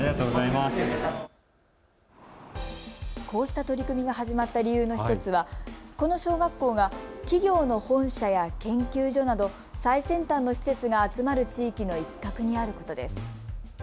こうした取り組みが始まった理由の１つはこの小学校が企業の本社や研究所など最先端の施設が集まる地域の一角にあることです。